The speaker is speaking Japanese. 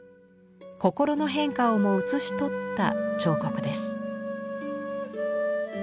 心の変化をも写し取った彫刻です。